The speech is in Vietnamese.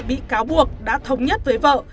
bị cáo buộc đã thống nhất với vợ